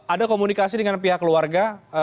ada komunikasi dengan pihak keluarga